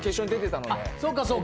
そうかそうか。